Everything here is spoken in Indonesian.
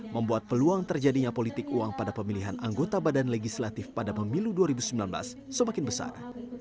membuat peluang terjadinya politik uang pada pemilihan anggota badan legislatif pada pemilu dua ribu sembilan belas semakin besar